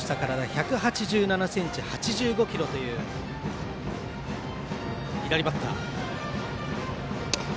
１８７ｃｍ８５ｋｇという左バッター。